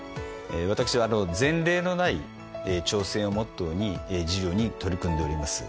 私は前例のない挑戦をモットーに事業に取り組んでおります。